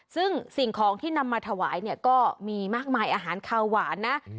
ซึ่งสิ่งของที่นำมาถวายเนี่ยก็มีมากมายอาหารคาวหวานนะ